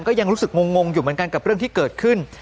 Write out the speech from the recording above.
ก็ยังรู้สึกงงอยู่เหมือนกันกับเรื่องที่เกิดขึ้น